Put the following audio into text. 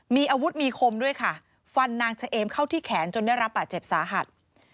มีอาวุธมีคมด้วยค่ะฟันนางเฉเอมเข้าที่แขนจนได้รับบาดเจ็บสาหัส